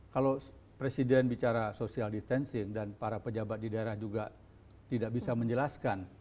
kalau presiden bicara social distancing dan para pejabat di daerah juga tidak bisa menjelaskan